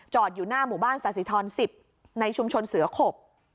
อยู่หน้าหมู่บ้านสาธิธร๑๐ในชุมชนเสือขบ